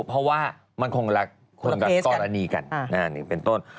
เพราะว่ามันคงรักคนละกรณีกันเป็นต้น